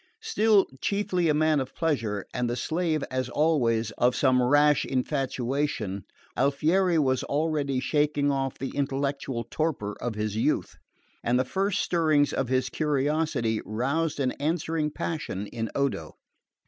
Still chiefly a man of pleasure, and the slave, as always, of some rash infatuation, Alfieri was already shaking off the intellectual torpor of his youth; and the first stirrings of his curiosity roused an answering passion in Odo.